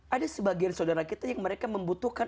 ada sebagian saudara kita yang mereka membutuhkan